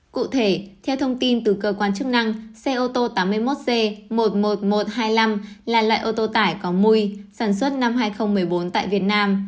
cụ thể theo thông tin từ cơ quan chức năng xe ô tô tám mươi một g một mươi một nghìn một trăm hai mươi năm là loại ô tô tải có mùi sản xuất năm hai nghìn một mươi bốn tại việt nam